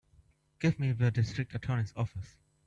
Give me the District Attorney's office.